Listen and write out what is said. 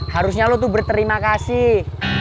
harusnya lo tuh berterima kasih